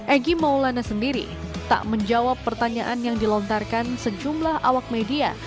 egy maulana sendiri tak menjawab pertanyaan yang dilontarkan sejumlah awak media